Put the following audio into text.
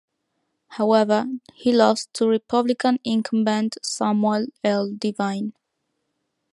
However, he lost to Republican incumbent Samuel L. Devine.